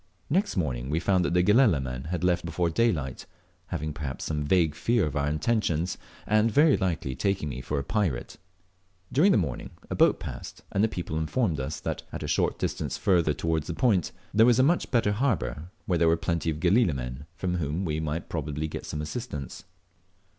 Next morning we found that the Galela men had left before daylight, having perhaps some vague fear of our intentions, anal very likely taking me for a pirate. During the morning a boat passed, and the people informed us that, at a short distance further towards the point, there was a much better harbour, where there were plenty of Galela men, from whom we, might probably get some assistance.